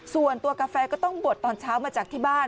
ส่วนตัวกาแฟก็ต้องบวชตอนเช้ามาจากที่บ้าน